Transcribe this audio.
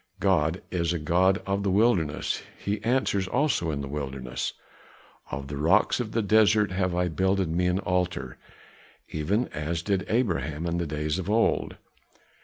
God is a God of the wilderness; he answers also in the wilderness. Of the rocks of the desert have I builded me an altar, even as did Abraham in the days of old.